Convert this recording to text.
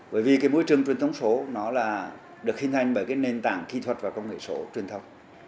bởi vì môi trường truyền thống số được hình thành bởi nền tảng kỹ thuật và công nghệ số truyền thống